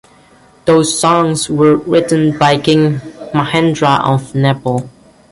Those songs were written by King Mahendra of Nepal.